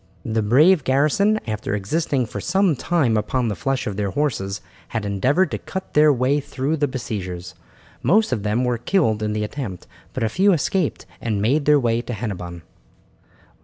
The brave garrison, after existing for some time upon the flesh of their horses, had endeavoured to cut their way through the besiegers. Most of them were killed in the attempt, but a few escaped and made their way to Hennebon.